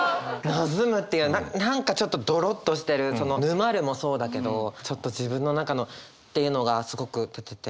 「泥む」っていう何かちょっとどろっとしてるその「沼る」もそうだけどちょっと自分の中のっていうのがすごく出てて。